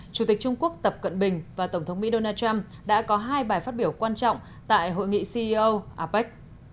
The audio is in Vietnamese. chủ tịch trung quốc tập cận bình và tổng thống mỹ donald trump đã có hai bài phát biểu quan trọng tại hội nghị ceo apec